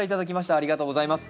ありがとうございます。